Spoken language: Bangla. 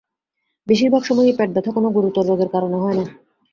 বেশিরভাগ সময়েই পেট ব্যথা কোন গুরুতর রোগের কারণে হয় না।